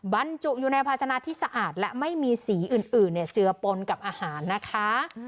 บรรจุอยู่ในภาชนะที่สะอาดและไม่มีสีอื่นเจือปนกับอาหารนะคะ